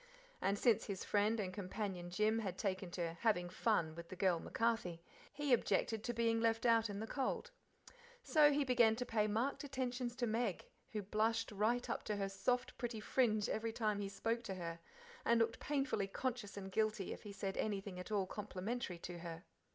And, since his friend and companion Jim had taken to "having fun" with "the girl MacCarthy," he objected to being left out in the cold. So he began to pay marked attentions to Meg, who blushed right up to her soft, pretty fringe every time he spoke to her, and looked painfully conscious and guilty if he said anything at all complimentary to her.